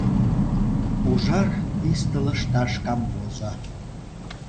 Ужар писте лышташ камвозо.